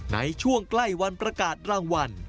ในช่วงใกล้วันประกาศรางวัล